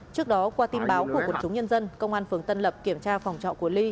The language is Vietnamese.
trước đó qua tin báo của một chúng nhân dân công an phường tân lập kiểm tra phòng trọng của lý